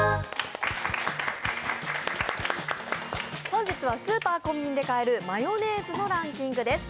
本日はスーパー、コンビニで買えるマヨネーズのランキングです。